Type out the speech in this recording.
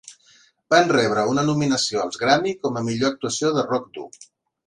Van rebre una nominació als Grammy com a Millor actuació de rock dur.